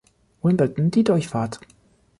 Wimbledon die Durchfahrt.